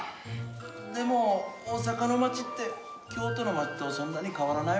でも大阪の町って京都の町とそんなに変わらないわね。